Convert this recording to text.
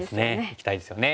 いきたいですよね。